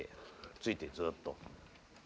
ついてずっと。